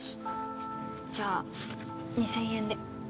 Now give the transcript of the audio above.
じゃあ２０００円で。